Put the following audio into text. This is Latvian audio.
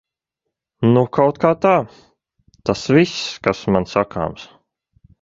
Nu kautkā tā. Tas viss, kas man sakāms.